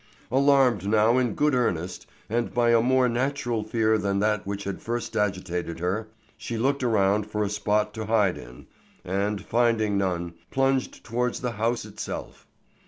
Alarmed now in good earnest, and by a more natural fear than that which had first agitated her, she looked around for a spot to hide in, and, finding none, plunged towards the house itself.